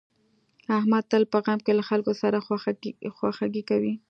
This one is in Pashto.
احمد تل په غم کې له خلکو سره خواخوږي کوي.